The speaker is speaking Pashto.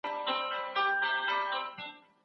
سياست پوهنه د بشري ژوند په ډګر کي ارزښت لري.